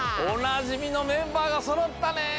おなじみのメンバーがそろったね！